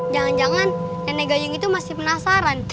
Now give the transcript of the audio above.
jangan jangan nenek gayung itu masih penasaran